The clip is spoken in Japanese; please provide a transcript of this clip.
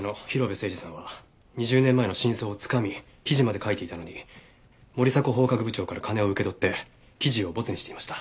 誠児さんは２０年前の真相をつかみ記事まで書いていたのに森迫法学部長から金を受け取って記事をボツにしていました。